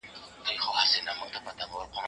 څېړونکی باید د علمي رښتیاوو دفاع وکړي.